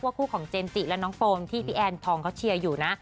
คู่ของเจมส์จิและน้องโฟมที่พี่แอนทองเขาเชียร์อยู่นะ